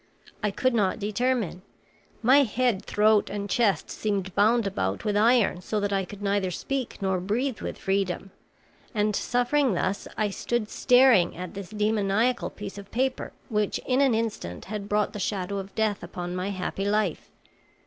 I could not determine. My head, throat and chest seemed bound about with iron, so that I could neither speak nor breathe with freedom, and, suffering thus, I stood staring at this demoniacal bit of paper which in an instant had brought the shadow of death upon my happy life.